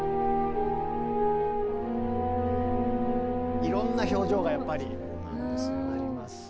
いろんな表情がやっぱりありますね。